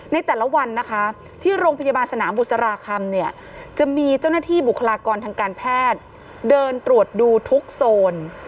ในแต่ละวันนะคะที่โรงพยาบาลสนามบุษราคำเนี่ยจะมีเจ้าหน้าที่บุคลากรทางการแพทย์เดินตรวจดูทุกโซน